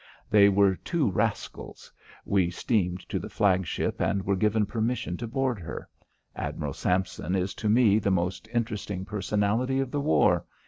They were two rascals. We steamed to the flagship and were given permission to board her. Admiral Sampson is to me the most interesting personality of the war.